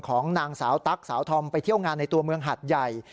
ของนางสาวตั๊กสาวธอมไปเที่ยวงานในตัวเมืองหัดใหญ่